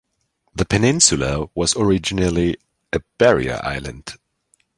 The peninsula was originally a barrier island.